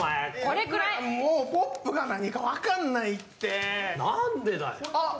これくらいもうポップが何か分かんないって何でだよあっ